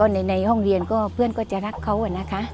ในห้องเรียนก็เพื่อนก็จะรักเขานะคะ